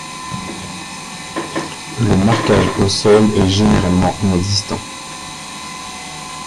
Le marquage au sol est généralement inexistant.